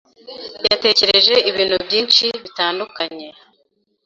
yatekereje ibintu byinshi bitandukanye